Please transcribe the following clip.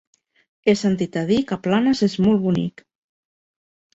He sentit a dir que Planes és molt bonic.